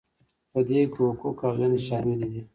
په دې کې حقوق او دندې شاملې دي.